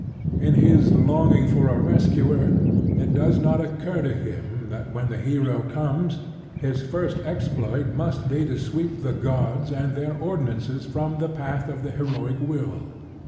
In his longing for a rescuer, it does not occur to him that when the Hero comes, his first exploit must be to sweep the gods and their ordinances from the path of the heroic will.